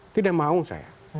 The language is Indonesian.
tidak mau saya